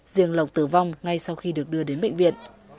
riêng lộc tử vong ngay sau khi được đưa đến bệnh viện